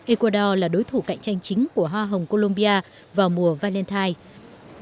ecuador là đối thủ cạnh tranh chính của hoa hồng colombia vào mùa valentine